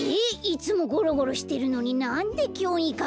いつもゴロゴロしてるのになんできょうにかぎって。